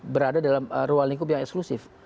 berada dalam ruang lingkup yang eksklusif